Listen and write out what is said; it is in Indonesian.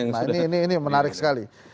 nah ini ini ini menarik sekali